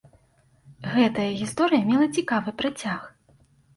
Гэтая гісторыя мела цікавы працяг.